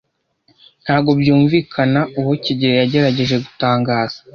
Ntabwo byumvikana uwo kigeli yagerageje gutangaza.